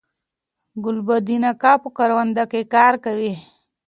ګلبدین اکا په کرونده کی کار کوي